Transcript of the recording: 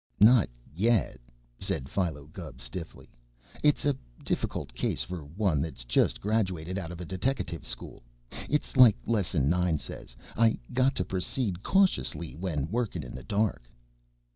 "Not yet," said Philo Gubb stiffly. "It's a difficult case for one that's just graduated out of a deteckative school. It's like Lesson Nine says I got to proceed cautiously when workin' in the dark."